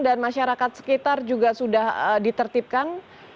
dan masyarakat sekitar juga sudah ditertibkan